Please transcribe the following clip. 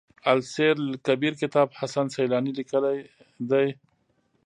السير لکبير کتاب حسن سيلاني ليکی دی.